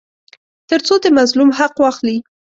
تر څو د مظلوم حق واخلي.